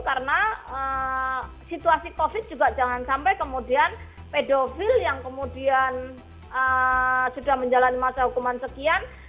karena situasi covid sembilan belas juga jangan sampai kemudian pedofil yang kemudian sudah menjalani masa hukuman sekian